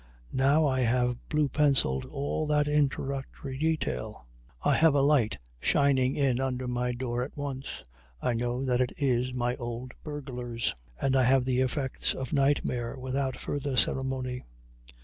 Now I have blue penciled all that introductory detail; I have a light shining in under my door at once; I know that it is my old burglars; and I have the effect of nightmare without further ceremony.